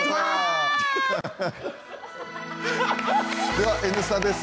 では「Ｎスタ」です。